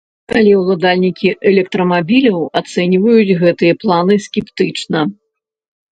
Але ўладальнікі электрамабіляў ацэньваюць гэтыя планы скептычна.